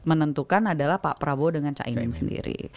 menentukan adalah pak prabowo dengan cah ineng sendiri